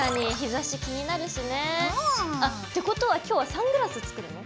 あってことは今日はサングラス作るの？